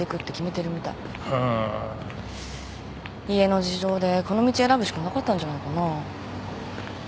家の事情でこの道選ぶしかなかったんじゃないかな。